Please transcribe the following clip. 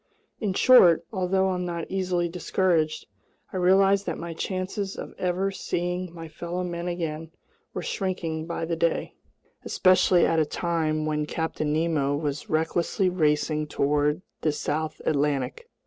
In short, although I'm not easily discouraged, I realized that my chances of ever seeing my fellow men again were shrinking by the day, especially at a time when Captain Nemo was recklessly racing toward the south Atlantic!